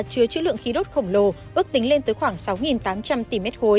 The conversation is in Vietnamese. chứa chữ lượng khí đốt khổng lồ ước tính lên tới khoảng sáu tám trăm linh tỷ m ba